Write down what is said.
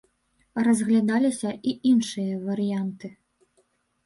Разглядаліся і іншыя варыянты.